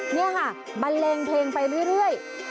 นี่ค่ะบันเลงเพลงไปเรื่อย